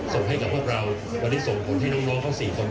ส่งให้กับพวกเราวันนี้ส่งคนที่น้องน้องเขาสี่คน